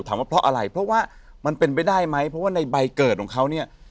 ว่าเพราะอะไรเพราะว่ามันเป็นไปได้ไหมเพราะว่าในใบเกิดของเขาเนี่ย